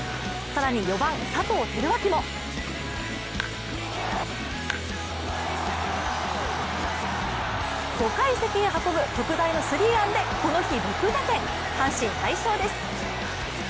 更に、４番・佐藤輝明も５階席へ運ぶ特段のスリーランでこの日６打点阪神、大勝です！